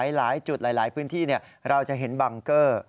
หลายจุดหลายพื้นที่เราจะเห็นบังเกอร์